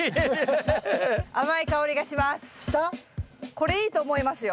これいいと思いますよ。